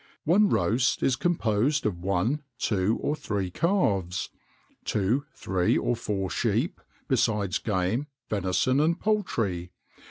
One roast is composed of one, two, or three calves, two, three, or four sheep, besides game, venison, and poultry.